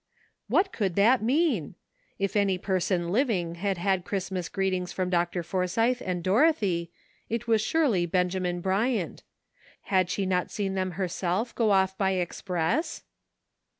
What could that mean? If any person liv ing had had Christmas greetings from Dr. Forsythe and Dorothy it was surely Benjamin Bryant. Had she not seen them herself go off by express?